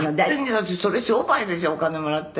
「それ商売でしょお金もらって」